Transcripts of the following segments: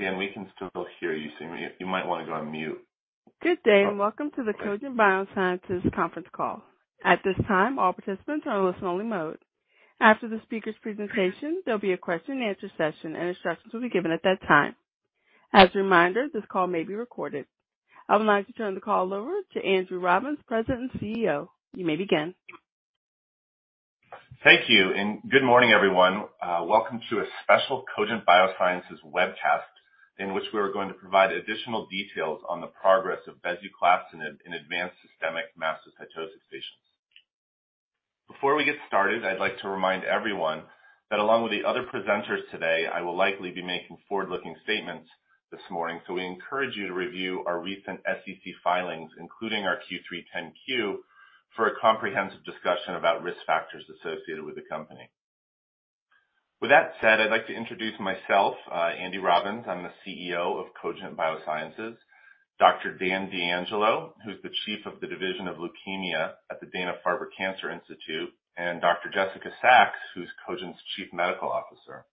Dan, we can still hear you, so you might want to go on mute. Good day. Welcome to the Cogent Biosciences conference call. At this time, all participants are in listen-only mode. After the speaker's presentation, there'll be a question-and-answer session. Instructions will be given at that time. As a reminder, this call may be recorded. I would like to turn the call over to Andrew Robbins, President and CEO. You may begin. Thank you and good morning, everyone. Welcome to a special Cogent Biosciences webcast, in which we are going to provide additional details on the progress of bezuclastinib in Advanced Systemic Mastocytosis patients. Before we get started, I'd like to remind everyone that along with the other presenters today, I will likely be making forward-looking statements this morning. We encourage you to review our recent SEC filings, including our Q3 10-Q for a comprehensive discussion about risk factors associated with the company. With that said, I'd like to introduce myself, Andy Robbins. I'm the CEO of Cogent Biosciences, Dr. Daniel DeAngelo, who's the Chief of the Division of Leukemia at the Dana-Farber Cancer Institute, and Dr. Jessica Sachs, who's Cogent's Chief Medical Officer.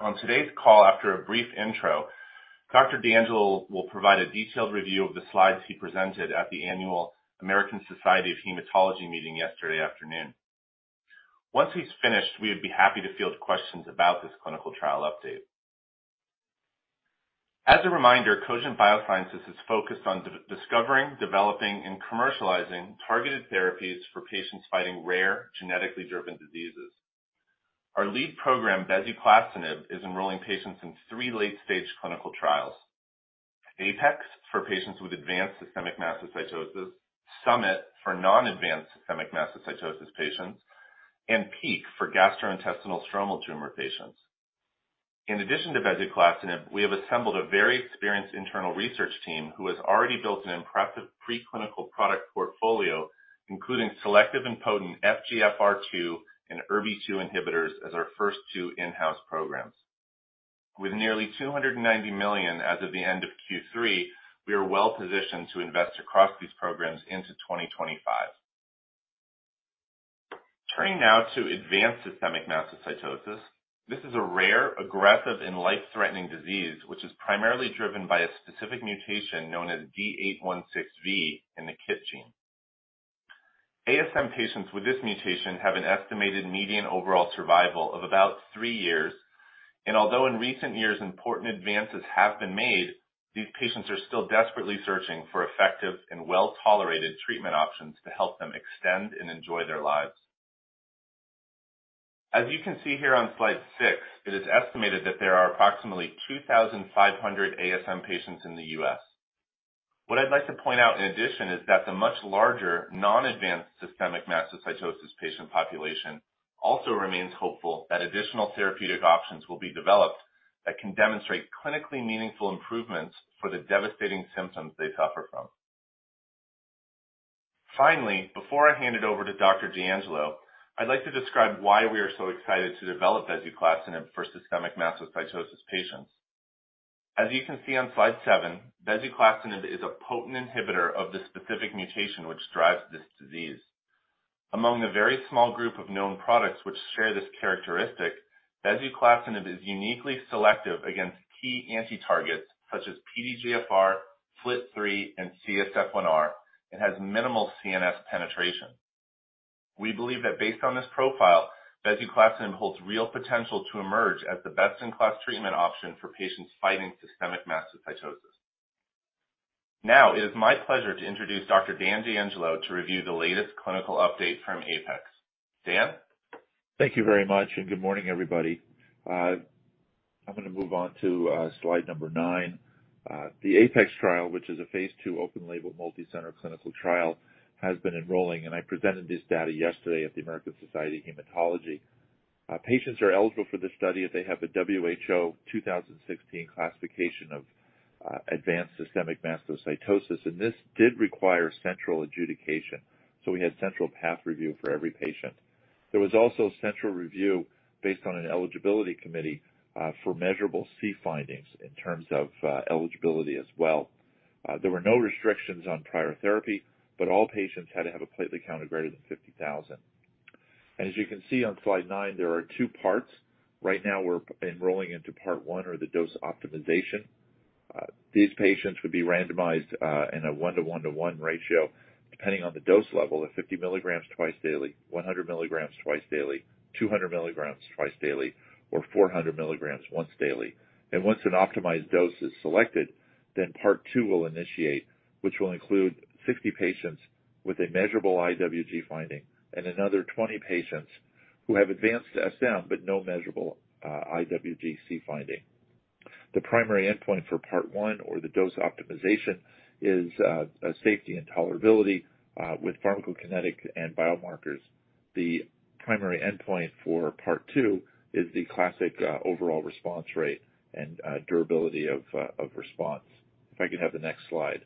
On today's call, after a brief intro, Dr. D'Angelo will provide a detailed review of the slides he presented at the annual American Society of Hematology meeting yesterday afternoon. Once he's finished, we would be happy to field questions about this clinical trial update. As a reminder, Cogent Biosciences is focused on discovering, developing, and commercializing targeted therapies for patients fighting rare, genetically driven diseases. Our lead program, bezuclastinib, is enrolling patients in 3 late-stage clinical trials. APEX for patients with advanced systemic mastocytosis, SUMMIT for non-advanced systemic mastocytosis patients, and PEAK for gastrointestinal stromal tumor patients. In addition to bezuclastinib, we have assembled a very experienced internal research team who has already built an impressive preclinical product portfolio, including selective and potent FGFR2 and ERBB2 inhibitors as our first 2 in-house programs. With nearly $290 million as of the end of Q3, we are well positioned to invest across these programs into 2025. Turning now to advanced systemic mastocytosis. This is a rare, aggressive, and life-threatening disease which is primarily driven by a specific mutation known as D816V in the KIT gene. ASM patients with this mutation have an estimated median overall survival of about 3 years, and although in recent years important advances have been made, these patients are still desperately searching for effective and well-tolerated treatment options to help them extend and enjoy their lives. As you can see here on slide 6, it is estimated that there are approximately 2,500 ASM patients in the U.S. What I'd like to point out in addition is that the much larger non-advanced systemic mastocytosis patient population also remains hopeful that additional therapeutic options will be developed that can demonstrate clinically meaningful improvements for the devastating symptoms they suffer from. Finally, before I hand it over to Dr. D'Angelo, I'd like to describe why we are so excited to develop bezuclastinib for systemic mastocytosis patients. As you can see on slide 7, bezuclastinib is a potent inhibitor of the specific mutation which drives this disease. Among the very small group of known products which share this characteristic, bezuclastinib is uniquely selective against key anti-targets such as PDGFR, FLT3, and CSF1R. It has minimal CNS penetration. We believe that based on this profile, bezuclastinib holds real potential to emerge as the best-in-class treatment option for patients fighting systemic mastocytosis. Now it is my pleasure to introduce Dr. Daniel DeAngelo to review the latest clinical update from APEX. Dan. Thank you very much. Good morning, everybody. I'm gonna move on to slide number nine. The APEX trial, which is a phase II open-label, multi-center clinical trial, has been enrolling, and I presented this data yesterday at the American Society of Hematology. Patients are eligible for this study if they have a WHO 2016 classification of advanced systemic mastocytosis, and this did require central adjudication. We had central path review for every patient. There was also central review based on an eligibility committee for measurable C findings in terms of eligibility as well. There were no restrictions on prior therapy, but all patients had to have a platelet count of greater than 50,000. As you can see on slide nine, there are two parts. Right now, we're enrolling into part one or the dose optimization. These patients would be randomized in a 1-to-1-to-1 ratio, depending on the dose level of 50 milligrams twice daily, 100 milligrams twice daily, 200 milligrams twice daily, or 400 milligrams once daily. Once an optimized dose is selected, then Part two will initiate, which will include 60 patients with a measurable IWG finding and another 20 patients who have advanced SM but no measurable IWG C finding. The primary endpoint for Part 1 or the dose optimization is safety and tolerability with pharmacokinetic and biomarkers. The primary endpoint for Part two is the classic overall response rate and durability of response. If I could have the next slide.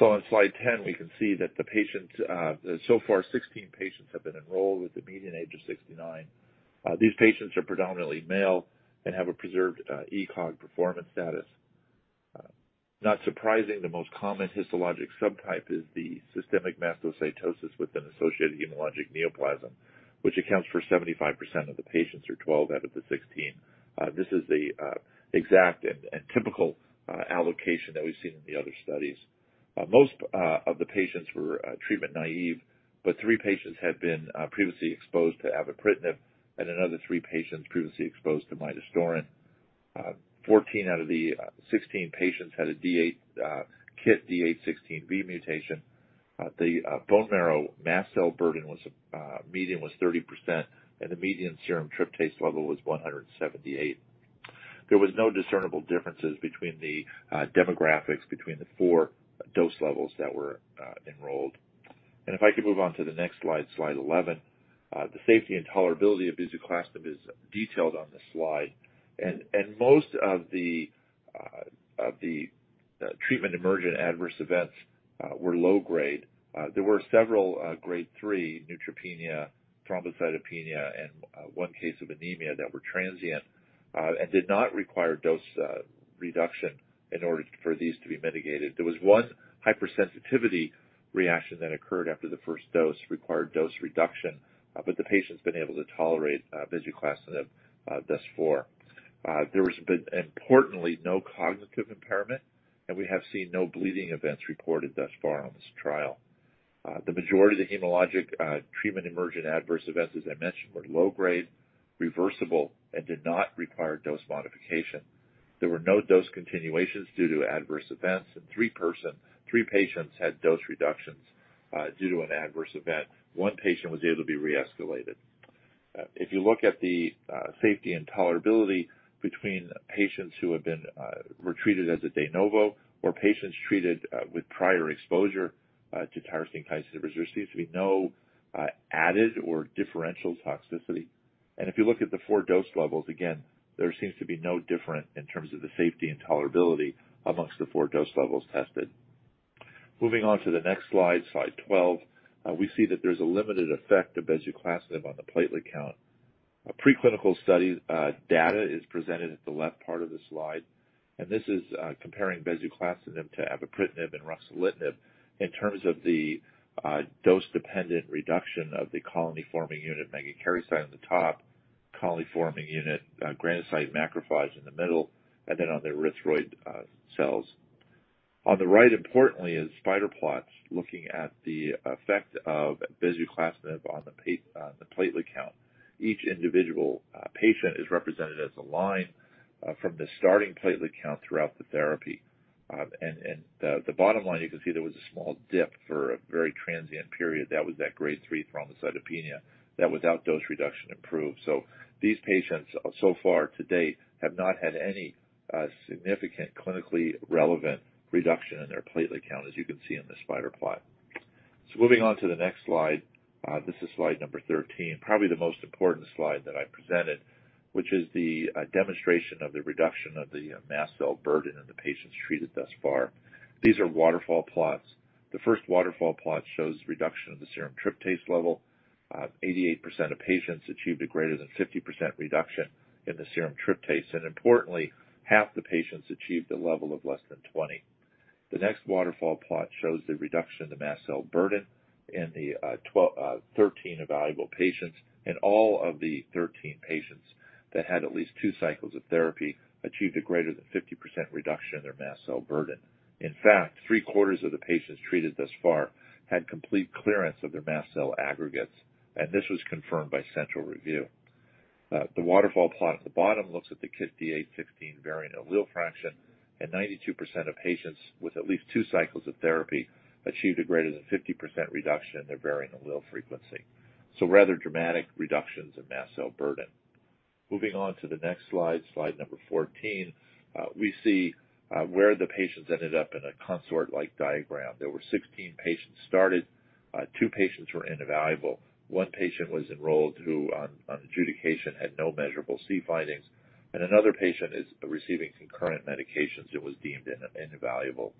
On slide 10, we can see that the patients so far 16 patients have been enrolled with a median age of 69. These patients are predominantly male and have a preserved ECOG performance status. Not surprising, the most common histologic subtype is the systemic mastocytosis with an associated hematologic neoplasm, which accounts for 75% of the patients or 12 out of the 16. This is the exact and typical allocation that we've seen in the other studies. Most of the patients were treatment naive, but three patients had been previously exposed to avapritinib and another three patients previously exposed to midostaurin. 14 out of the 16 patients had a KIT D816V mutation. The bone marrow mast cell burden was median was 30%, and the median serum tryptase level was 178. There was no discernible differences between the demographics between the 4 dose levels that were enrolled. If I could move on to the next slide 11. The safety and tolerability of bezuclastinib is detailed on this slide. Most of the treatment emergent adverse events were low grade. There were several grade 3 neutropenia, thrombocytopenia, and one case of anemia that were transient and did not require dose reduction in order for these to be mitigated. There was one hypersensitivity reaction that occurred after the first dose, required dose reduction, but the patient's been able to tolerate bezuclastinib thus far. There was but importantly no cognitive impairment, and we have seen no bleeding events reported thus far on this trial. The majority of the hematologic treatment emergent adverse events, as I mentioned, were low-grade, reversible, and did not require dose modification. There were no dose continuations due to adverse events, and three patients had dose reductions due to an adverse event. One patient was able to be re-escalated. If you look at the safety and tolerability between patients who have been treated as a de novo or patients treated with prior exposure to tyrosine kinases, there seems to be no added or differential toxicity. If you look at the 4 dose levels, again, there seems to be no different in terms of the safety and tolerability amongst the 4 dose levels tested. Moving on to the next slide 12. We see that there's a limited effect of bezuclastinib on the platelet count. A preclinical study, data is presented at the left part of the slide, and this is comparing bezuclastinib to avapritinib and ruxolitinib in terms of the dose-dependent reduction of the colony-forming unit megakaryocyte on the top, colony-forming unit, granulocyte macrophage in the middle, and then on the erythroid cells. On the right, importantly, is spider plots looking at the effect of bezuclastinib on the platelet count. Each individual patient is represented as a line from the starting platelet count throughout the therapy. And the bottom line you can see there was a small dip for a very transient period. That was that grade three thrombocytopenia that without dose reduction improved. These patients so far to date have not had any significant clinically relevant reduction in their platelet count, as you can see in the spider plot. This is slide number 13. Probably the most important slide that I presented, which is the demonstration of the reduction of the mast cell burden in the patients treated thus far. These are waterfall plots. The first waterfall plot shows reduction of the serum tryptase level. 88% of patients achieved a greater than 50% reduction in the serum tryptase, and importantly, half the patients achieved a level of less than 20. The next waterfall plot shows the reduction in the mast cell burden in the 13 evaluable patients and all of the 13 patients that had at least 2 cycles of therapy achieved a greater than 50% reduction in their mast cell burden. In fact, three-quarters of the patients treated thus far had complete clearance of their mast cell aggregates, and this was confirmed by central review. The waterfall plot at the bottom looks at the KIT D816V variant allele fraction. 92% of patients with at least 2 cycles of therapy achieved a greater than 50% reduction in their variant allele frequency. Rather dramatic reductions in mast cell burden. Moving on to the next slide number 14. We see where the patients ended up in a consort-like diagram. There were 16 patients started. Two patients were invaluable. One patient was enrolled who on adjudication had no measurable C findings, and another patient is receiving concurrent medications and was deemed invaluable.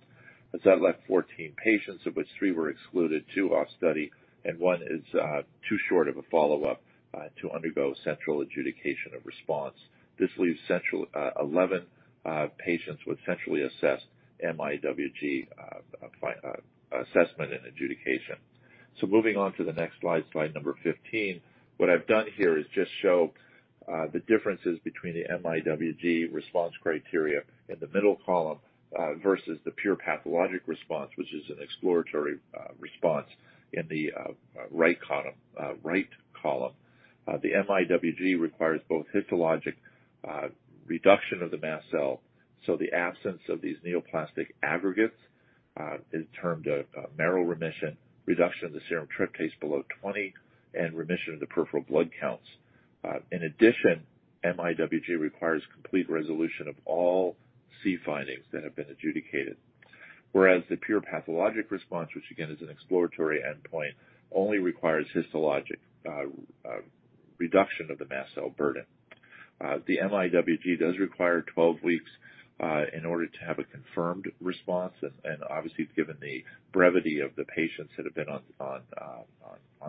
That left 14 patients, of which three were excluded to our study, and one is too short of a follow-up to undergo central adjudication of response. This leaves 11 patients with centrally assessed mIWG-MRT-ECNM assessment and adjudication. Moving on to the next slide number 15. What I've done here is just show the differences between the mIWG-MRT-ECNM response criteria in the middle column versus the pure pathologic response, which is an exploratory response in the right column. The mIWG-MRT-ECNM requires both histologic reduction of the mast cell, so the absence of these neoplastic aggregates, is termed a marrow remission, reduction of the serum tryptase below 20 and remission of the peripheral blood counts. In addition, mIWG-MRT-ECNM requires complete resolution of all C findings that have been adjudicated. Whereas the pure pathologic response, which again is an exploratory endpoint, only requires histologic reduction of the mast cell burden. The mIWG-MRT-ECNM does require 12 weeks in order to have a confirmed response and obviously given the brevity of the patients that have been on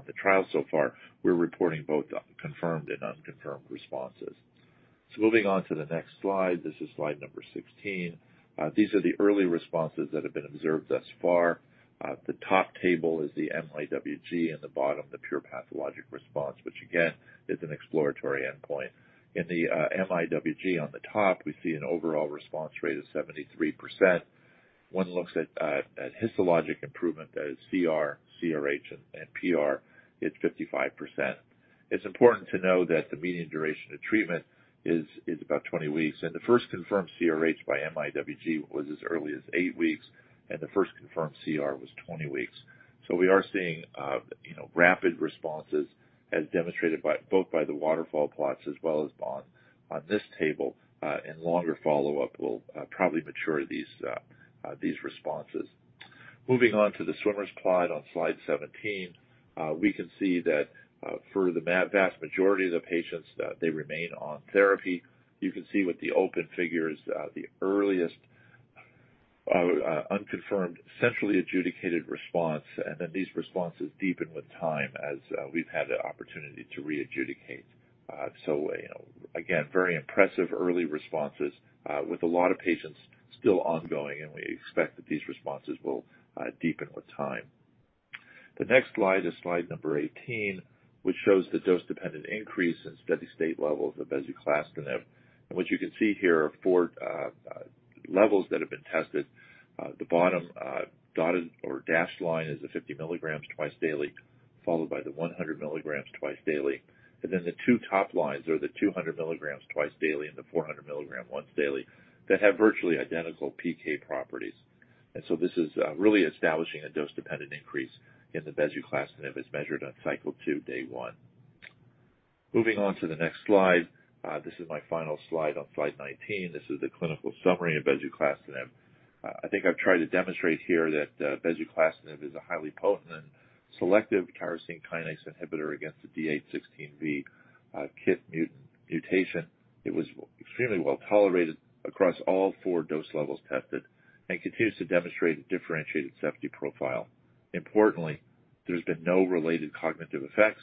the trial so far, we're reporting both confirmed and unconfirmed responses. Moving on to the next slide. This is slide number 16. These are the early responses that have been observed thus far. The top table is the mIWG-MRT-ECNM and the bottom, the pure pathologic response, which, again, is an exploratory endpoint. In the mIWG-MRT-ECNM on the top, we see an overall response rate of 73%. One looks at histologic improvement, that is CR, CRH, and PR. It's 55%. It's important to know that the median duration of treatment is about 20 weeks, and the first confirmed CRH by mIWG-MRT-ECNM was as early as 8 weeks, and the first confirmed CR was 20 weeks. We are seeing, you know, rapid responses as demonstrated both by the waterfall plots as well as on this table. Longer follow-up will probably mature these responses. Moving on to the swimmers plot on slide 17. We can see that for the vast majority of the patients, they remain on therapy. You can see with the open figures, the earliest unconfirmed centrally adjudicated response, and then these responses deepen with time as we've had the opportunity to re-adjudicate. So, you know, again, very impressive early responses with a lot of patients still ongoing, and we expect that these responses will deepen with time. The next slide is slide number 18, which shows the dose-dependent increase in steady-state levels of bezuclastinib. What you can see here are four levels that have been tested. The bottom dotted or dashed line is the 50 milligrams twice daily, followed by the 100 milligrams twice daily. The two top lines are the 200 milligrams twice daily, and the 400 milligram once daily that have virtually identical PK properties. This is really establishing a dose-dependent increase in the bezuclastinib as measured on cycle 2, day 1. Moving on to the next slide. This is my final slide on slide 19. This is the clinical summary of bezuclastinib. I think I've tried to demonstrate here that bezuclastinib is a highly potent and selective tyrosine kinase inhibitor against the D816V KIT mutation. It was extremely well-tolerated across all 4 dose levels tested and continues to demonstrate a differentiated safety profile. Importantly, there's been no related cognitive effects,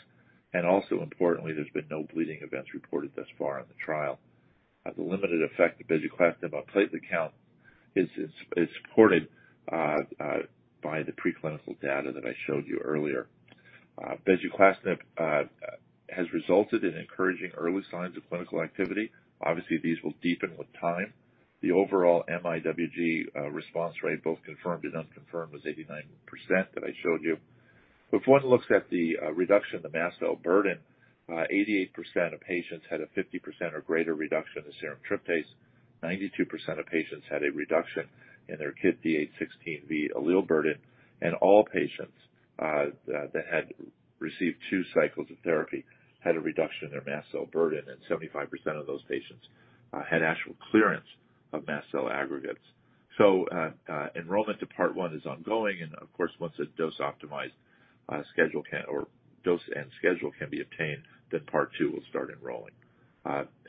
and also importantly, there's been no bleeding events reported thus far in the trial. The limited effect of bezuclastinib on platelet count is supported by the preclinical data that I showed you earlier. Bezuclastinib has resulted in encouraging early signs of clinical activity. Obviously, these will deepen with time. The overall mIWG-MRT-ECNM response rate, both confirmed and unconfirmed, was 89% that I showed you. If one looks at the reduction in the mast cell burden, 88% of patients had a 50% or greater reduction in serum tryptase, 92% of patients had a reduction in their KIT D816V allele burden, and all patients that had received 2 cycles of therapy had a reduction in their mast cell burden, and 75% of those patients had actual clearance of mast cell aggregates. Enrollment to Part 1 is ongoing. Of course, once a dose optimized, dose and schedule can be obtained, part two will start enrolling.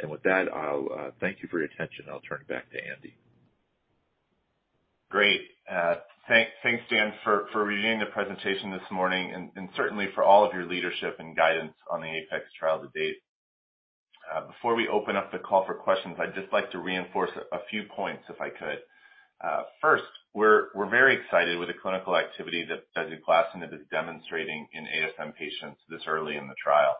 With that, I'll thank you for your attention, and I'll turn it back to Andy. Great. Thanks, thanks, Dan, for reading the presentation this morning and certainly for all of your leadership and guidance on the APEX trial to date. Before we open up the call for questions, I'd just like to reinforce a few points if I could. First, we're very excited with the clinical activity that bezuclastinib is demonstrating in ASM patients this early in the trial.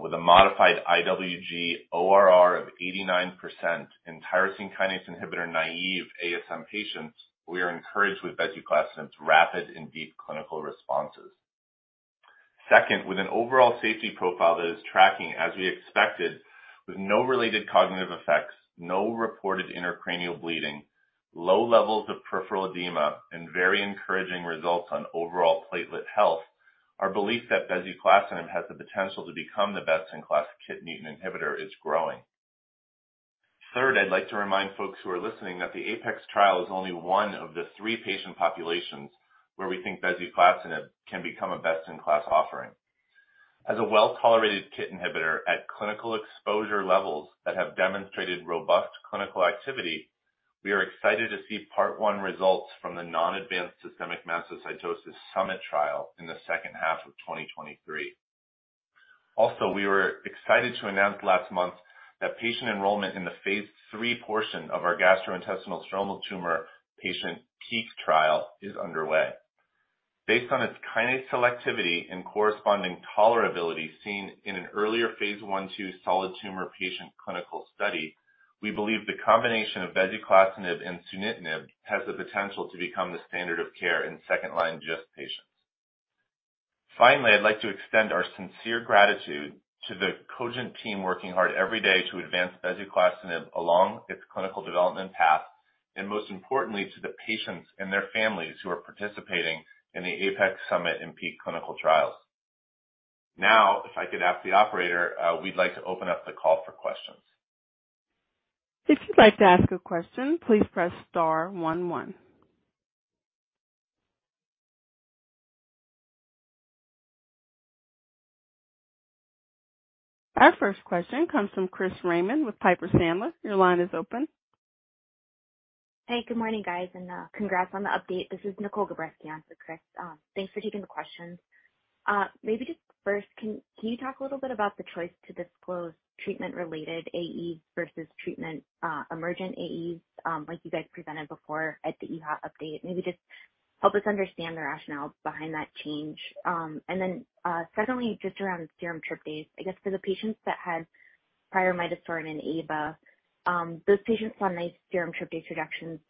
With a modified IWG ORR of 89% in tyrosine kinase inhibitor, naive ASM patients, we are encouraged with bezuclastinib's rapid and deep clinical responses. Second, with an overall safety profile that is tracking, as we expected, with no related cognitive effects, no reported intracranial bleeding, low levels of peripheral edema, and very encouraging results on overall platelet health, our belief that bezuclastinib has the potential to become the best-in-class KIT mutant inhibitor is growing. Third, I'd like to remind folks who are listening that the APEX trial is only 3 of the patient populations where we think bezuclastinib can become a best-in-class offering. As a well-tolerated KIT inhibitor at clinical exposure levels that have demonstrated robust clinical activity, we are excited to see part 1 results from the non-advanced systemic mastocytosis We were excited to announce last month that patient enrollment in the phase 3 portion of our GIST patient PEAK trial is underway. Based on its kinase selectivity and corresponding tolerability seen in an earlier phase 1/2 solid tumor patient clinical study, we believe the combination of bezuclastinib and sunitinib has the potential to become the standard of care in second-line GIST patients. Finally, I'd like to extend our sincere gratitude to the Cogent team working hard every day to advance bezuclastinib along its clinical development path. Most importantly, to the patients and their families who are participating in the APEX, SUMMIT, and PEAK clinical trials. If I could ask the operator, we'd like to open up the call for questions. If you'd like to ask a question, please press star, one, one. Our first question comes from Chris Raymond with Piper Sandler. Your line is open. Hey, good morning, guys, and congrats on the update. This is Nicole Gabreski on for Chris. Thanks for taking the questions. Maybe just first can you talk a little bit about the choice to disclose treatment-related AEs versus treatment emergent AEs, like you guys presented before at the EHA update? Maybe just help us understand the rationale behind that change. Secondly, just around serum tryptase, I guess for the patients that had prior midostaurin and ava, those patients saw nice serum tryptase reductions,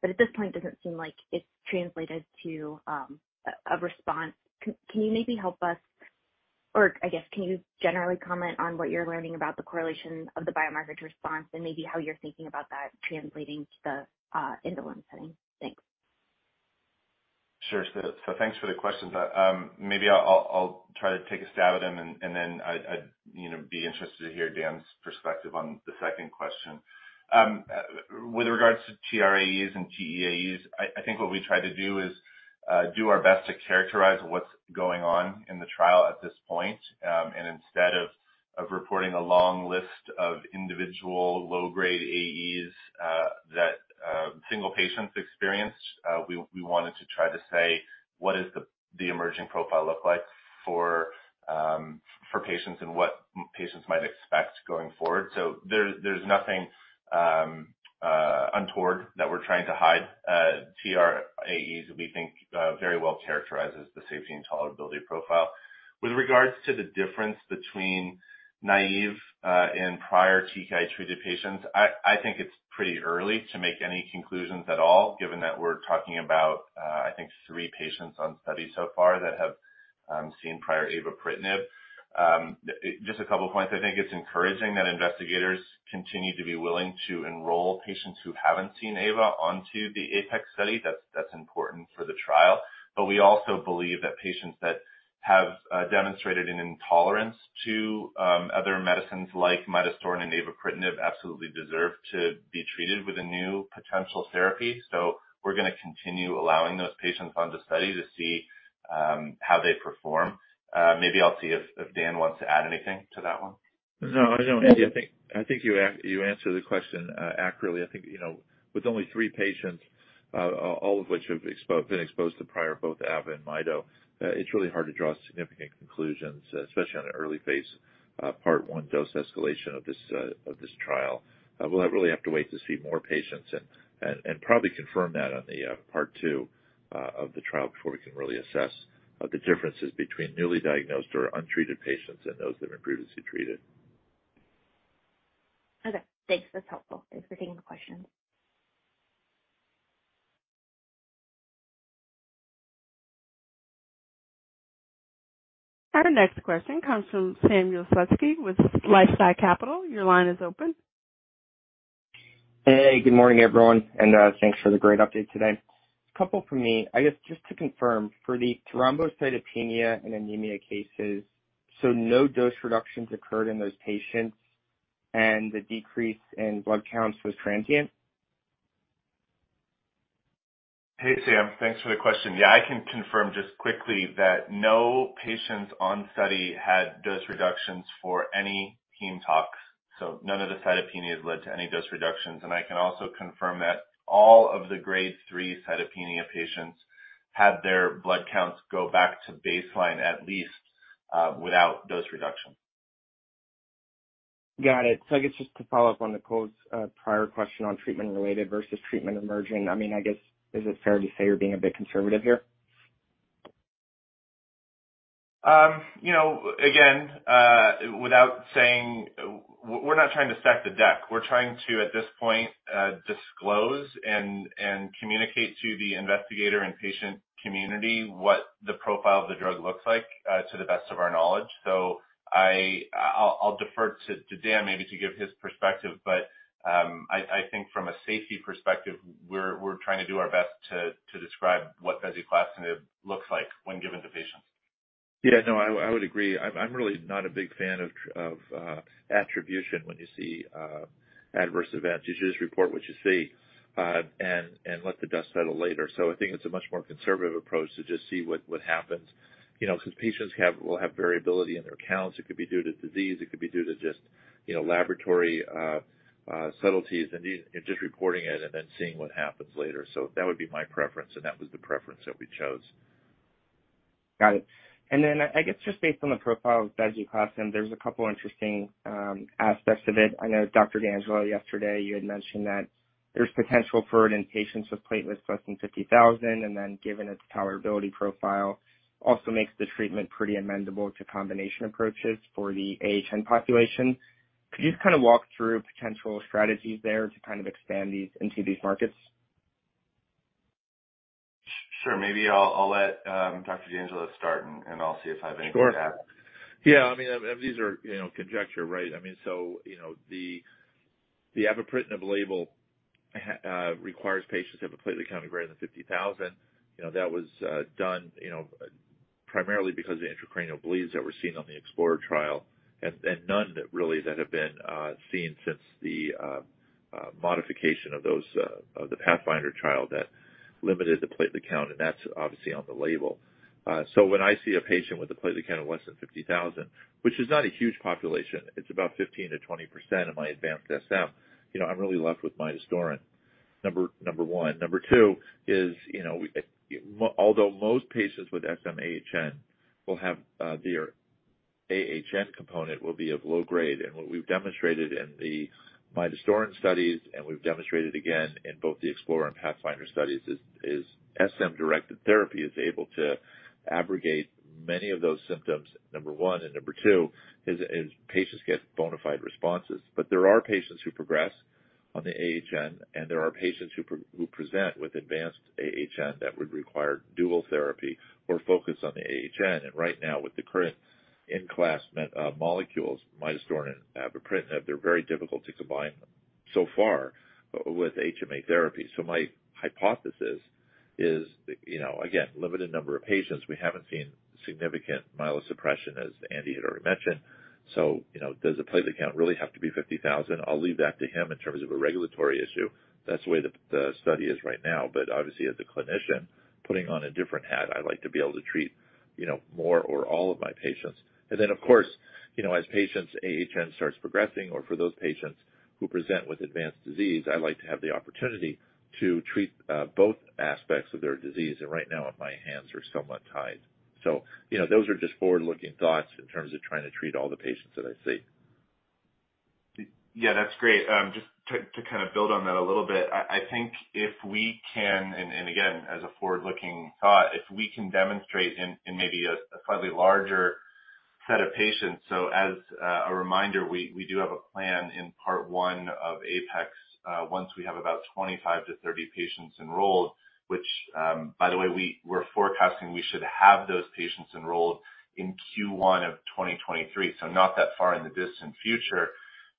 but at this point it doesn't seem like it's translated to a response. Can you maybe help us or I guess, can you generally comment on what you're learning about the correlation of the biomarker to response and maybe how you're thinking about that translating to the into the one setting? Thanks. Sure. Thanks for the questions. I, maybe I'll try to take a stab at them and then I'd, you know, be interested to hear Dan's perspective on the second question. With regards to TRAEs and TEAEs, I think what we try to do is do our best to characterize what's going on in the trial at this point. Instead of reporting a long list of individual low-grade AEs that single patients experienced, we wanted to try to say, what is the emerging profile look like for patients and what patients might expect going forward. There's nothing untoward that we're trying to hide. TRAEs we think very well characterizes the safety and tolerability profile. With regards to the difference between naive and prior TKI-treated patients, I think it's pretty early to make any conclusions at all, given that we're talking about I think three patients on study so far that have seen prior avapritinib. Just a couple points. I think it's encouraging that investigators continue to be willing to enroll patients who haven't seen ava onto the APEX study. That's important for the trial. We also believe that patients that have demonstrated an intolerance to other medicines like midostaurin and avapritinib absolutely deserve to be treated with a new potential therapy. We're gonna continue allowing those patients on the study to see how they perform. Maybe I'll see if Dan wants to add anything to that one. No, I don't. Okay. I think you answered the question accurately. I think, you know, with only three patients, all of which have been exposed to prior both ava and mido, it's really hard to draw significant conclusions, especially on an early phase part one dose escalation of this of this trial. We'll really have to wait to see more patients and probably confirm that on the part two of the trial before we can really assess the differences between newly diagnosed or untreated patients and those that have been previously treated. Okay. Thanks. That's helpful. Thanks for taking the question. Our next question comes from Samuel Slutsky with LifeSci Capital. Your line is open. Hey, good morning, everyone, and thanks for the great update today. A couple from me. I guess, just to confirm, for the thrombocytopenia and anemia cases, so no dose reductions occurred in those patients and the decrease in blood counts was transient? Hey, Sam. Thanks for the question. Yeah, I can confirm just quickly that no patients on study had dose reductions for any heme tox. None of the cytopenias led to any dose reductions. I can also confirm that all of the grade 3 cytopenia patients had their blood counts go back to baseline, at least, without dose reduction. Got it. I guess just to follow up on Nicole's prior question on treatment related versus treatment emerging, I mean, I guess is it fair to say you're being a bit conservative here? You know, again, without saying we're not trying to stack the deck. We're trying to, at this point, disclose and communicate to the investigator and patient community what the profile of the drug looks like, to the best of our knowledge. I'll defer to Dan maybe to give his perspective, but I think from a safety perspective, we're trying to do our best to describe what bezuclastinib looks like when given to patients. Yeah, no, I would agree. I'm really not a big fan of attribution when you see adverse events. You just report what you see, and let the dust settle later. I think it's a much more conservative approach to just see what happens, you know, because patients will have variability in their counts. It could be due to disease, it could be due to just, you know, laboratory subtleties and just reporting it and then seeing what happens later. That would be my preference, and that was the preference that we chose. Got it. I guess just based on the profile of bezuclastinib there's a couple interesting aspects of it. I know Dr. D'Angelo yesterday, you had mentioned that there's potential for it in patients with platelets less than 50,000, given its tolerability profile, also makes the treatment pretty amendable to combination approaches for the AHN population. Could you just kind of walk through potential strategies there to kind of expand these into these markets? Sure. Maybe I'll let Dr. D'Angelo start and I'll see if I have anything to add. Sure. Yeah, I mean, these are, you know, conjecture, right? I mean, you know, the avapritinib label requires patients to have a platelet count of greater than 50,000. You know, that was done, you know, primarily because of the intracranial bleeds that were seen on the EXPLORER trial and none that really that have been seen since the modification of those of the PATHFINDER trial that limited the platelet count, and that's obviously on the label. When I see a patient with a platelet count of less than 50,000, which is not a huge population, it's about 15%-20% of my advanced SM, you know, I'm really left with midostaurin, number one. Number two is, you know, although most patients with SM-AHN will have their AHN component will be of low grade. What we've demonstrated in the midostaurin studies and we've demonstrated again in both the EXPLORER and PATHFINDER studies is SM-directed therapy is able to abrogate many of those symptoms, number one. Number two is patients get bona fide responses. There are patients who progress on the AHN, and there are patients who present with advanced AHN that would require dual therapy or focus on the AHN. Right now, with the current in-class molecules, midostaurin, avapritinib, they're very difficult to combine them so far with HMA therapy. My hypothesis is, you know, again, limited number of patients, we haven't seen significant myelosuppression, as Andy had already mentioned. You know, does the platelet count really have to be 50,000? I'll leave that to him in terms of a regulatory issue. That's the way the study is right now. Obviously, as a clinician, putting on a different hat, I like to be able to treat, you know, more or all of my patients. Of course, you know, as patients' AHN starts progressing or for those patients who present with advanced disease, I like to have the opportunity to treat both aspects of their disease. Right now my hands are somewhat tied. You know, those are just forward-looking thoughts in terms of trying to treat all the patients that I see. Yeah, that's great. Just to kind of build on that a little bit, I think if we can, and again, as a forward-looking thought, if we can demonstrate in maybe a slightly larger set of patients. As a reminder, we do have a plan in part 1 of APEX once we have about 25-30 patients enrolled, which, by the way, we're forecasting we should have those patients enrolled in Q1 of 2023, so not that far in the distant future.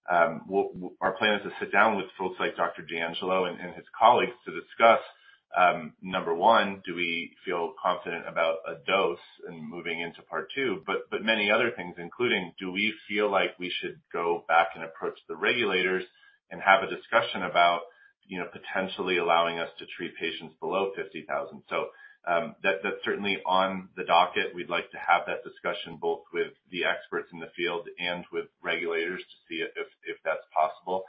Our plan is to sit down with folks like Dr. D'Angelo and his colleagues to discuss, number 1, do we feel confident about a dose in moving into part 2? Many other things, including do we feel like we should go back and approach the regulators and have a discussion about, you know, potentially allowing us to treat patients below $50,000. That's certainly on the docket. We'd like to have that discussion both with the experts in the field and with regulators to see if that's possible.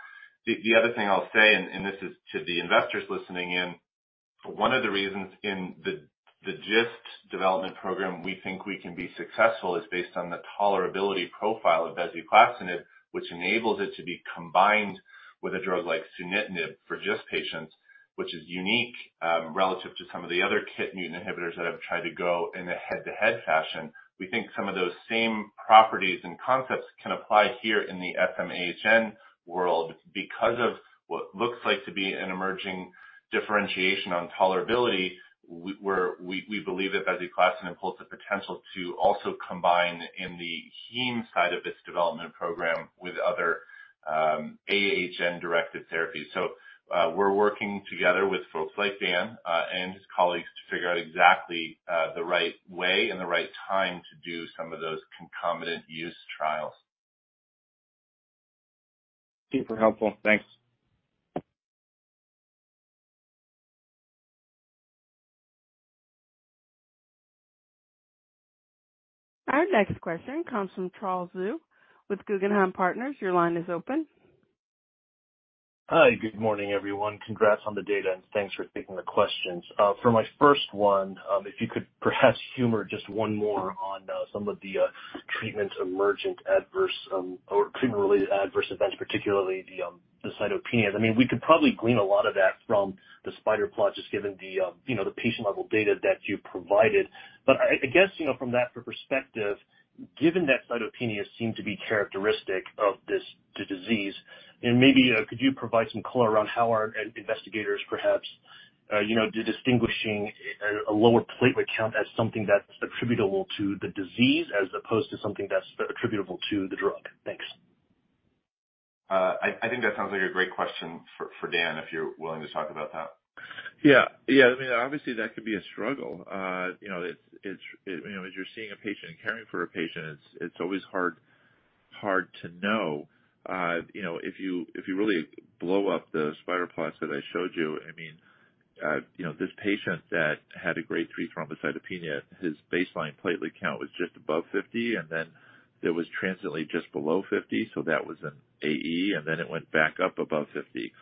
The other thing I'll say, and this is to the investors listening in, one of the reasons in the GIST development program we think we can be successful is based on the tolerability profile of bezuclastinib, which enables it to be combined with a drug like sunitinib for GIST patients, which is unique, relative to some of the other KIT mutant inhibitors that have tried to go in a head-to-head fashion. We think some of those same properties and concepts can apply here in the SM-AHN world because of what looks like to be an emerging differentiation on tolerability, where we believe that bezuclastinib holds the potential to also combine in the heme side of this development program with other AHN-directed therapies. We're working together with folks like Dan and his colleagues to figure out exactly the right way and the right time to do some of those concomitant use trials. Super helpful. Thanks. Our next question comes from Charles Zhu with Guggenheim Securities. Your line is open. Hi. Good morning, everyone. Congrats on the data, thanks for taking the questions. For my first one, if you could perhaps humor just one more on some of the treatment-emergent adverse or treatment-related adverse events, particularly the cytopenias. I mean, we could probably glean a lot of that from the spider plots, just given the, you know, the patient-level data that you provided. I guess, you know, from that perspective, given that cytopenias seem to be characteristic of the disease, and maybe, could you provide some color around how our investigators perhaps, you know, distinguishing a lower platelet count as something that's attributable to the disease as opposed to something that's attributable to the drug? Thanks. I think that sounds like a great question for Dan, if you're willing to talk about that. Yeah. Yeah. I mean, obviously that could be a struggle. you know, it's, you know, as you're seeing a patient and caring for a patient, it's always hard to know. you know, if you, if you really blow up the spider plots that I showed you, I mean, you know, this patient that had a grade three thrombocytopenia, his baseline platelet count was just above 50, and then it was transiently just below 50, so that was an AE, and then it went back up above 50.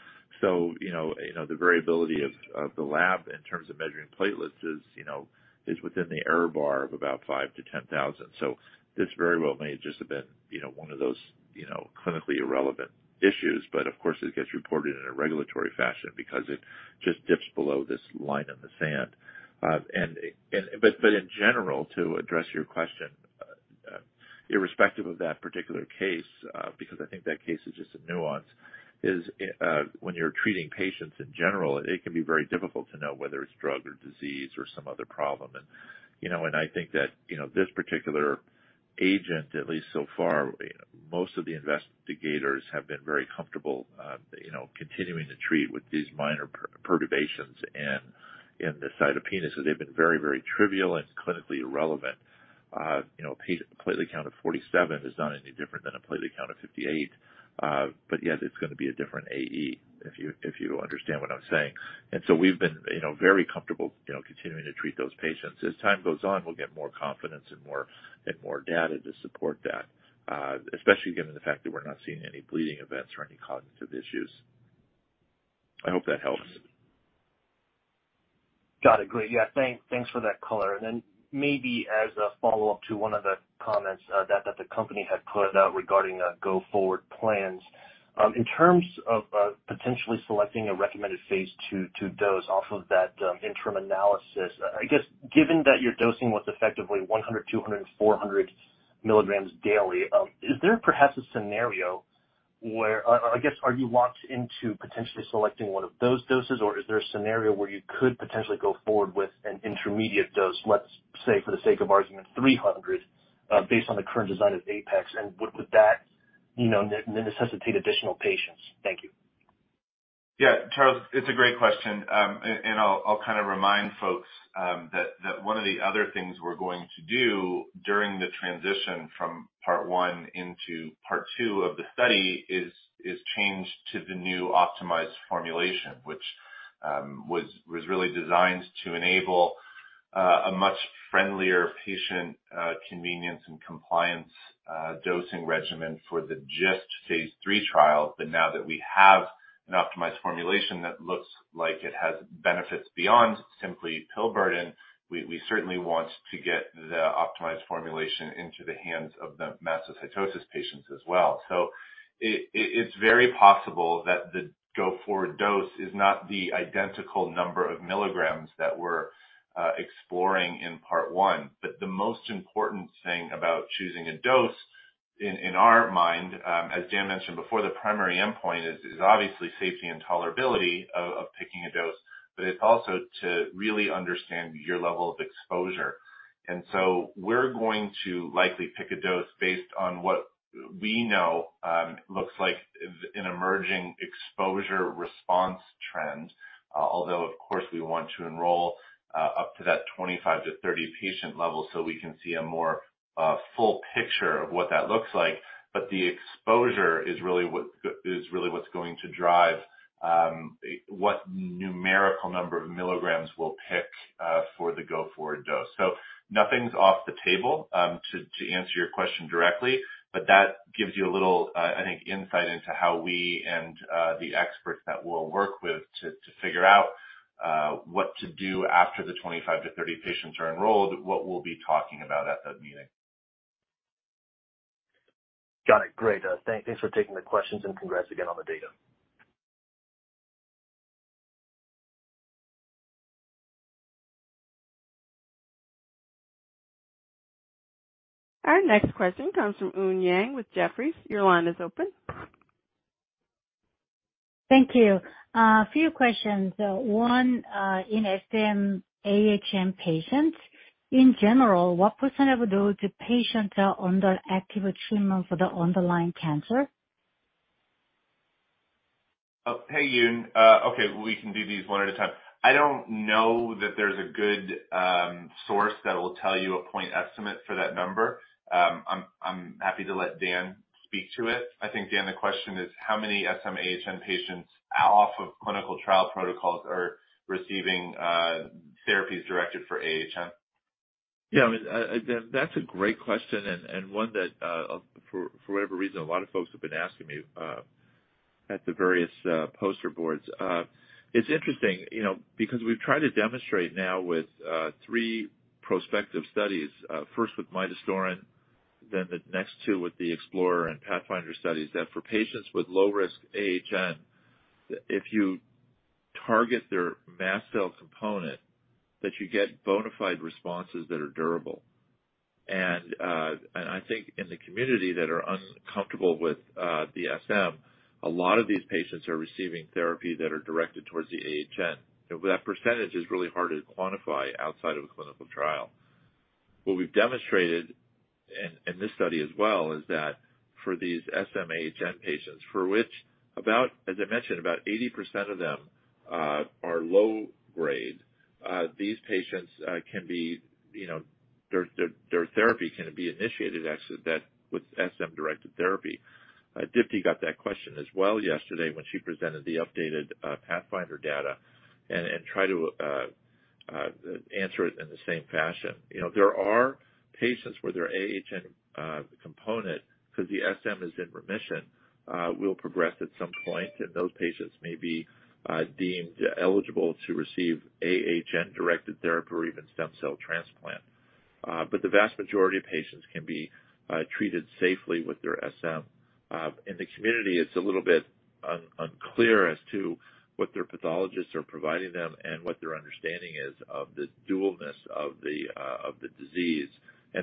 you know, you know, the variability of the lab in terms of measuring platelets is, you know, is within the error bar of about 5,000-10,000. this very well may have just been, you know, one of those, you know, clinically irrelevant issues. Of course, it gets reported in a regulatory fashion because it just dips below this line in the sand. In general, to address your question, irrespective of that particular case, because I think that case is just a nuance, is when you're treating patients in general, it can be very difficult to know whether it's drug or disease or some other problem. You know, I think that, you know, this particular agent, at least so far, most of the investigators have been very comfortable, you know, continuing to treat with these minor perturbations in the cytopenias. They've been very trivial and clinically irrelevant. You know, a platelet count of 47 is not any different than a platelet count of 58. Yet it's gonna be a different AE if you understand what I'm saying. We've been, you know, very comfortable, you know, continuing to treat those patients. As time goes on, we'll get more confidence and more data to support that, especially given the fact that we're not seeing any bleeding events or any cognitive issues. I hope that helps. Got it. Great. Yeah. Thanks for that color. Maybe as a follow-up to one of the comments that the company had put out regarding the go-forward plans. In terms of potentially selecting a recommended phase 2 dose off of that interim analysis, I guess, given that your dosing was effectively 100, 200 and 400 mg daily, is there perhaps a scenario where I guess, are you locked into potentially selecting one of those doses, or is there a scenario where you could potentially go forward with an intermediate dose, let's say, for the sake of argument, 300, based on the current design of APEX? Would that, you know, necessitate additional patients? Thank you. Yeah. Charles, it's a great question. I'll kind of remind folks that one of the other things we're going to do during the transition from Part 1 into Part 2 of the study is change to the new optimized formulation, which was really designed to enable a much friendlier patient convenience and compliance dosing regimen for the GIST phase III trial. Now that we have an optimized formulation that looks like it has benefits beyond simply pill burden, we certainly want to get the optimized formulation into the hands of the mastocytosis patients as well. It's very possible that the go-forward dose is not the identical number of milligrams that we're exploring in Part 1. The most important thing about choosing a dose in our mind, as Dan mentioned before, the primary endpoint is obviously safety and tolerability of picking a dose, but it's also to really understand your level of exposure. We're going to likely pick a dose based on what we know, looks like is an emerging exposure response trend. Although of course, we want to enroll up to that 25-30 patient level so we can see a more full picture of what that looks like. The exposure is really what's going to drive what numerical number of milligrams we'll pick for the go-forward dose. Nothing's off the table, to answer your question directly, but that gives you a little, I think, insight into how we and the experts that we'll work with to figure out what to do after the 25-30 patients are enrolled, what we'll be talking about at that meeting. Got it. Great. Thanks for taking the questions and congrats again on the data. Our next question comes from Eun Yang with Jefferies. Your line is open. Thank you. A few questions. 1, in SM-AHN patients, in general, what % of those patients are under active treatment for the underlying cancer? Hey, Eun. Okay, we can do these one at a time. I don't know that there's a good source that will tell you a point estimate for that number. I'm happy to let Dan speak to it. I think, Dan, the question is how many SM-AHN patients off of clinical trial protocols are receiving therapies directed for AHN. Yeah. I mean, that's a great question and one that, for whatever reason, a lot of folks have been asking me, at the various, poster boards. It's interesting, you know, because we've tried to demonstrate now with, three prospective studies, first with midostaurin, then the next two with the EXPLORER and PATHFINDER studies, that for patients with low risk AHN, if you target their mast cell component, that you get bona fide responses that are durable. I mean, I think in the community that are uncomfortable with, the SM, a lot of these patients are receiving therapy that are directed towards the AHN. That percentage is really hard to quantify outside of a clinical trial. What we've demonstrated in this study as well, is that for these SM-AHN patients, for which about, as I mentioned, about 80% of them are low grade, these patients can be, you know, their therapy can be initiated actually that with SM-directed therapy. Dipti got that question as well yesterday when she presented the updated PATHFINDER data and tried to answer it in the same fashion. You know, there are patients where their AHN component, because the SM is in remission, will progress at some point, and those patients may be deemed eligible to receive AHN-directed therapy or even stem cell transplant. The vast majority of patients can be treated safely with their SM. In the community, it's a little bit unclear as to what their pathologists are providing them and what their understanding is of the dualness of the disease.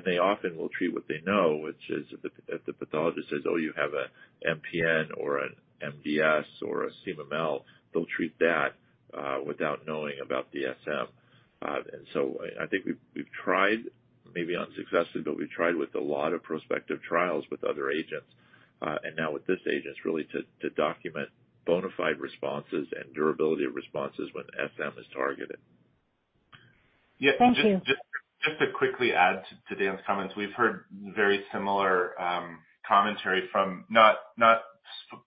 They often will treat what they know, which is if the, if the pathologist says, "Oh, you have a MPN or an MDS or a CMML," they'll treat that without knowing about the SM. I think we've tried, maybe unsuccessfully, but we've tried with a lot of prospective trials with other agents, and now with this agent, it's really to document bona fide responses and durability of responses when SM is targeted. Yeah. Just to quickly add to Dan's comments. We've heard very similar commentary from not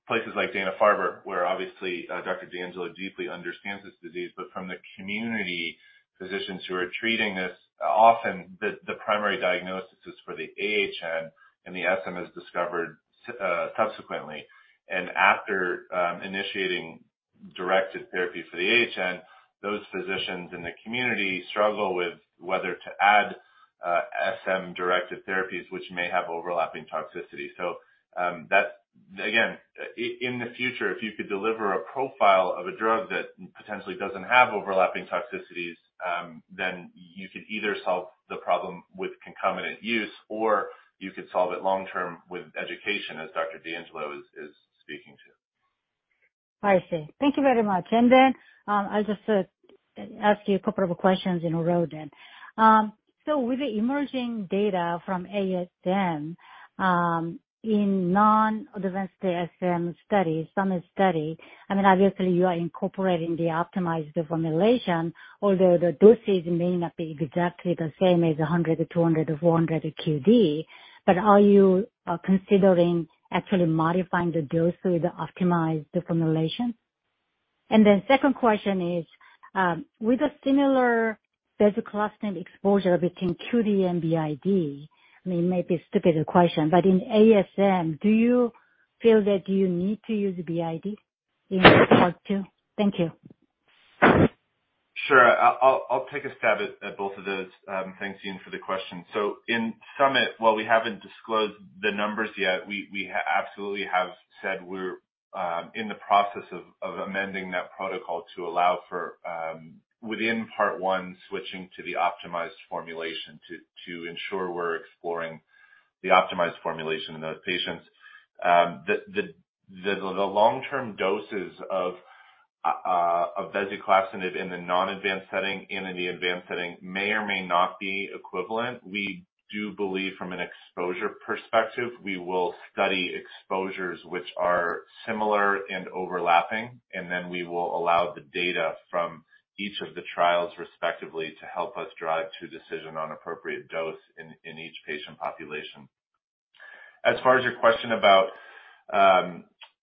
places like Dana-Farber, where obviously Dr. D'Angelo deeply understands this disease, but from the community physicians who are treating this, often the primary diagnosis is for the AHN, and the SM is discovered subsequently. After initiating directed therapy for the AHN, those physicians in the community struggle with whether to add SM-directed therapies which may have overlapping toxicity. Again, in the future, if you could deliver a profile of a drug that potentially doesn't have overlapping toxicities, then you could either solve the problem with concomitant use, or you could solve it long-term with education, as Dr. D'Angelo is speaking to. I see. Thank you very much. I'll just ask you a couple of questions in a row. With the emerging data from ASM, in non-advanced ASM studies, SUMMIT study, I mean, obviously you are incorporating the optimized formulation, although the doses may not be exactly the same as 100, 200, or 400 QD. Are you considering actually modifying the dose through the optimized formulation? Second question is, with a similar bezuclastinib exposure between QD and BID, I mean, it may be a stupid question, but in ASM, do you feel that you need to use BID in Part Two? Thank you. Sure. I'll take a stab at both of those. Thanks again for the question. In SUMMIT, while we haven't disclosed the numbers yet, we absolutely have said we're in the process of amending that protocol to allow for within Part One, switching to the optimized formulation to ensure we're exploring the optimized formulation in those patients. The long-term doses of bezuclastinib in the non-advanced setting and in the advanced setting may or may not be equivalent. We do believe from an exposure perspective, we will study exposures which are similar and overlapping, and then we will allow the data from each of the trials respectively to help us drive to decision on appropriate dose in each patient population. As far as your question about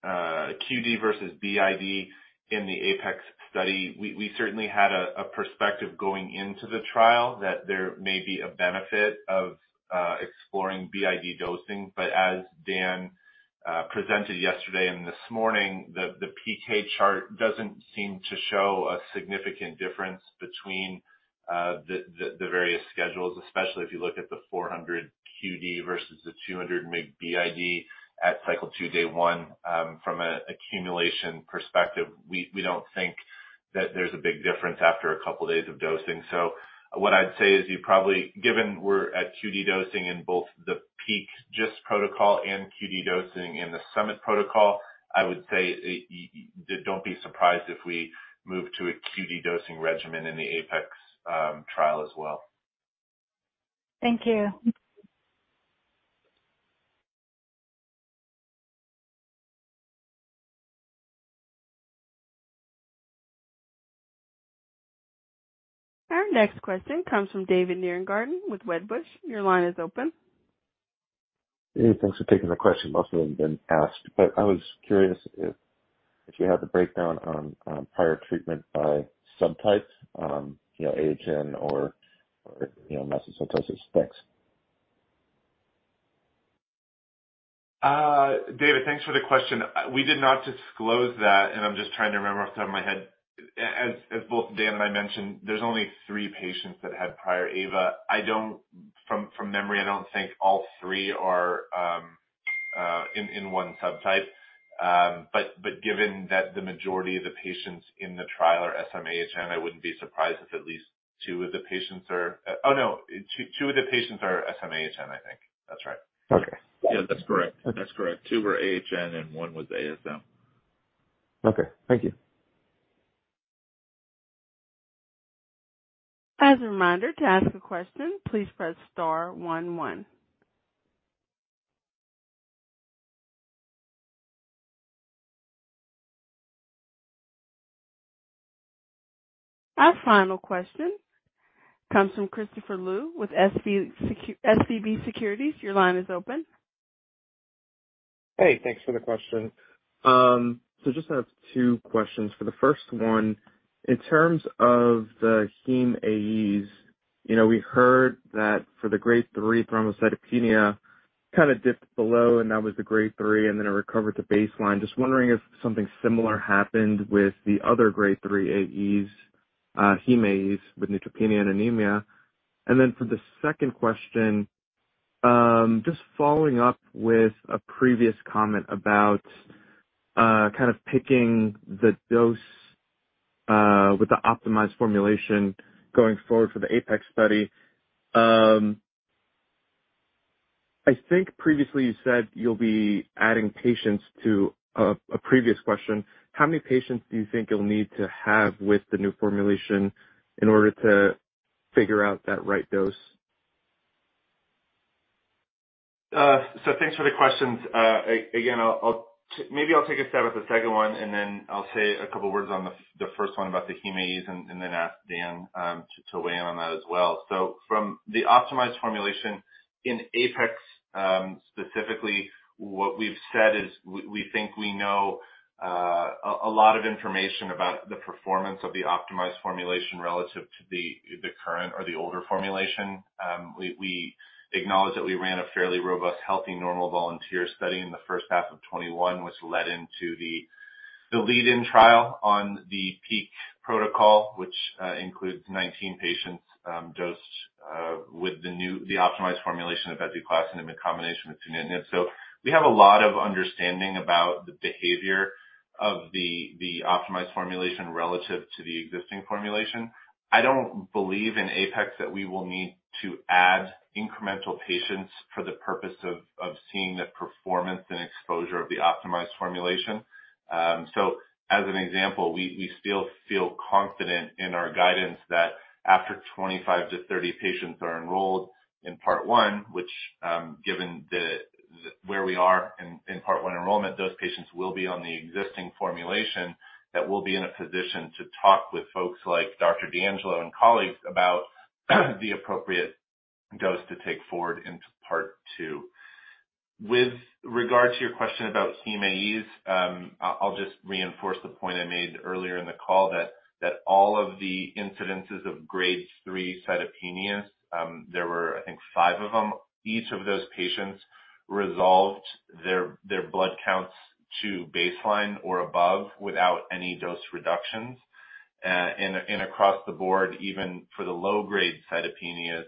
QD versus BID in the APEX study, we certainly had a perspective going into the trial that there may be a benefit of exploring BID dosing. As Dan presented yesterday and this morning, the PK chart doesn't seem to show a significant difference between the various schedules, especially if you look at the 400 QD versus the 200 mg BID at cycle 2, day 1 from an accumulation perspective. We don't think that there's a big difference after a couple days of dosing. What I'd say is you probably Given we're at QD dosing in both the PEAK GIST protocol and QD dosing in the SUMMIT protocol, I would say don't be surprised if we move to a QD dosing regimen in the APEX trial as well. Thank you. Our next question comes from David Nierengarten with Wedbush. Your line is open. Hey, thanks for taking the question. Most of them have been asked, but I was curious if you have the breakdown on prior treatment by subtypes, you know, AHN or, you know, mast cell leukemia. Thanks. David, thanks for the question. We did not disclose that. I'm just trying to remember off the top of my head. As both Dan and I mentioned, there's only 3 patients that had prior AVA. From memory, I don't think all 3 are in one subtype. But given that the majority of the patients in the trial are SM-AHN, I wouldn't be surprised if at least 2 of the patients are... Oh, no. 2 of the patients are SM-AHN, I think. That's right. Okay. Yeah, that's correct. Okay. That's correct. Two were AHN and one was ASM. Okay. Thank you. As a reminder, to ask a question, please press star one one. Our final question comes from Christopher Liu with SVB Securities. Your line is open. Hey, thanks for the question. Just have 2 questions. For the first one, in terms of the heme AEs, you know, we heard that for the Grade 3 thrombocytopenia, kind of dipped below and that was the Grade 3 and then it recovered to baseline. Just wondering if something similar happened with the other Grade 3 AEs, heme AEs with neutropenia and anemia. For the second question, just following up with a previous comment about kind of picking the dose with the optimized formulation going forward for the APEX study. I think previously you said you'll be adding patients to a previous question. How many patients do you think you'll need to have with the new formulation in order to figure out that right dose? Thanks for the questions. Again, I'll maybe take a stab at the second one, and then I'll say a couple words on the first one about the heme AEs and then ask Dan to weigh in on that as well. From the optimized formulation in APEX, specifically what we've said is we think we know a lot of information about the performance of the optimized formulation relative to the current or the older formulation. We acknowledge that we ran a fairly robust, healthy, normal volunteer study in the first half of 2021, which led into the lead-in trial on the PEAK protocol, which includes 19 patients dosed with the optimized formulation of bezuclastinib in combination with sunitinib. We have a lot of understanding about the behavior of the optimized formulation relative to the existing formulation. I don't believe in APEX that we will need to add incremental patients for the purpose of seeing the performance and exposure of the optimized formulation. As an example, we still feel confident in our guidance that after 25 to 30 patients are enrolled in part one, which, given where we are in part one enrollment, those patients will be on the existing formulation that we'll be in a position to talk with folks like Dr. D'Angelo and colleagues about the appropriate dose to take forward into part two. With regard to your question about heme AEs, I'll just reinforce the point I made earlier in the call that all of the incidences of grade three cytopenias, there were, I think, five of them. Each of those patients resolved their blood counts to baseline or above without any dose reductions. And across the board, even for the low grade cytopenias,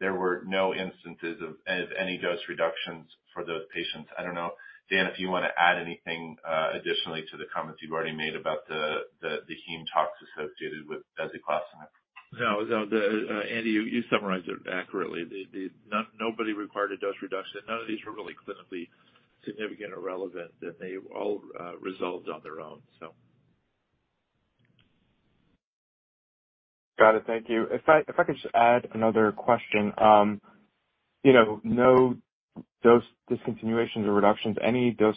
there were no instances of any dose reductions for those patients. I don't know, Dan, if you wanna add anything additionally to the comments you've already made about the heme tox associated with bezuclastinib. No, no. The Andy, you summarized it accurately. The nobody required a dose reduction. None of these were really clinically significant or relevant, and they all resolved on their own, so. Got it. Thank you. If I, if I could just add another question. you know, no dose discontinuations or reductions, any dose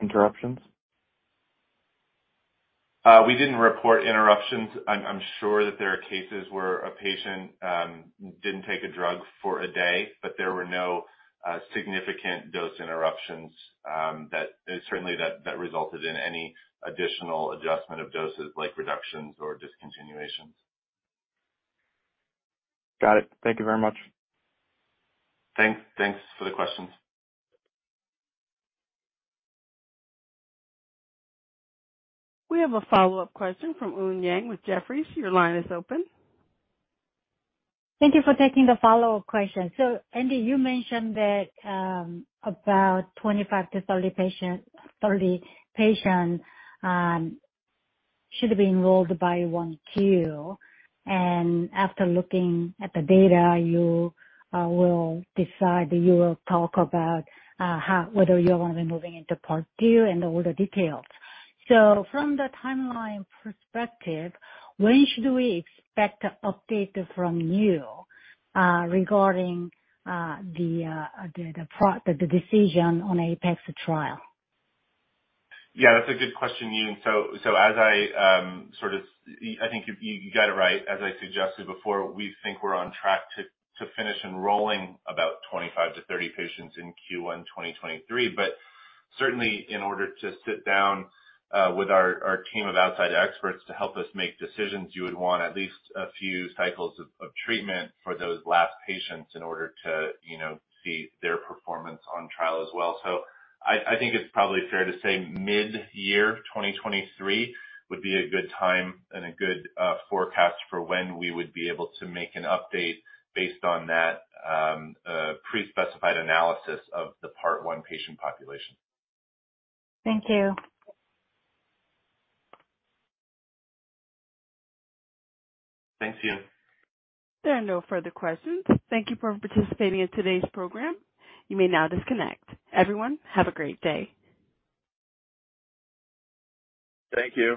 interruptions? We didn't report interruptions. I'm sure that there are cases where a patient didn't take a drug for a day, but there were no significant dose interruptions that certainly resulted in any additional adjustment of doses like reductions or discontinuations. Got it. Thank you very much. Thanks. Thanks for the questions. We have a follow-up question from Eun Yang with Jefferies. Your line is open. Thank you for taking the follow-up question. Andy, you mentioned that about 25-30 patients should be enrolled by Q1. After looking at the data, you will decide, you will talk about how whether you're gonna be moving into part two and all the details. From the timeline perspective, when should we expect an update from you regarding the decision on APEX trial? That's a good question, Eun. As I sort of, I think you got it right. As I suggested before, we think we're on track to finish enrolling about 25 to 30 patients in Q1 2023. Certainly in order to sit down with our team of outside experts to help us make decisions, you would want at least a few cycles of treatment for those last patients in order to, you know, see their performance on trial as well. I think it's probably fair to say mid-year 2023 would be a good time and a good forecast for when we would be able to make an update based on that pre-specified analysis of the part one patient population. Thank you. Thanks, Eun. There are no further questions. Thank you for participating in today's program. You may now disconnect. Everyone, have a great day. Thank you.